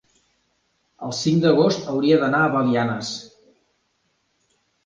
el cinc d'agost hauria d'anar a Belianes.